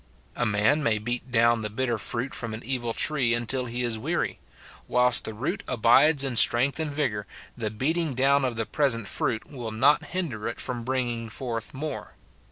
A man may beat down the bitter fruit from an evil tree until he is weary ; whilst the root abides in strength and vigour, the beating down of the present fruit will not hinder it from bringing forth more.